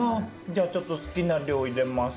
じゃあちょっと好きな量入れます。